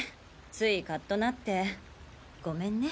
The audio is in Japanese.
ついカッとなってごめんね。